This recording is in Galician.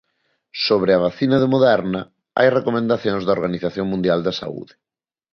Sobre a vacina de Moderna hai recomendacións da Organización Mundial da Saúde.